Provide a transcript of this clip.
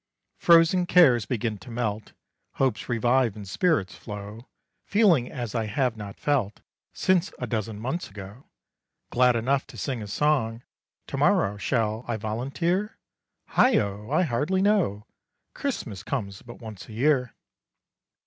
"Frozen cares begin to melt, Hopes revive and spirits flow Feeling as I have not felt Since a dozen months ago Glad enough to sing a song To morrow shall I volunteer? Heigho! I hardly know Christmas comes but once a year.